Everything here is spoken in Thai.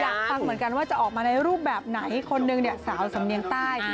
ฟังเหมือนกันว่าจะออกมาในรูปแบบไหนคนนึงเนี่ยสาวสำเนียงใต้